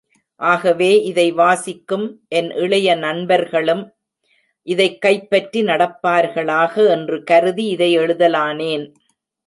ஆகவே இதை வாசிக்கும் என் இளைய நண்பர்களும் இதைக் கைப்பற்றி நடப்பார்களாக என்று கருதி இதை எழுதலானேன்.